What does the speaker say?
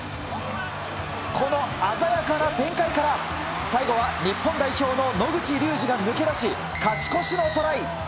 この鮮やかな展開から、最後は日本代表の野口竜司が抜け出し、勝ち越しのトライ。